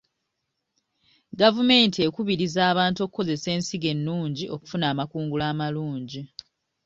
Gavumenti ekubiriza abantu okukozesa ensigo ennungi okufuna amakungula amalungi.